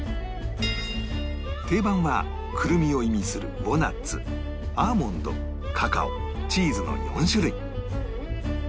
定番はクルミを意味するウォナッツアーモンドカカオチーズの４種類